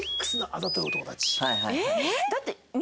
だって。